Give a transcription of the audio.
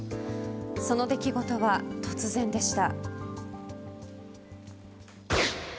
その出来事は突然でした。